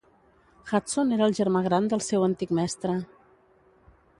Hudson era el germà gran del seu antic mestre.